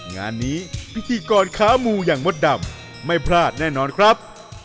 งานนี้พิธีกรขามูอย่างมดดำไม่พลาดแน่นอนครับ